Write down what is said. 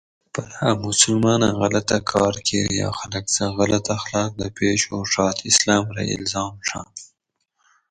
پرہ اۤ مسلمانہ غلط اۤ کار کِیر یا خلق سہۤ غلط اخلاق دہ پیش ہوڛات اِسلام رہ اِلزام ڛاۤں؟